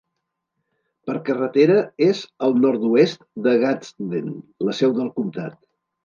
Per carretera és al nord-oest de Gadsden, la seu del comtat.